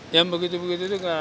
yang begitu begitu itu kan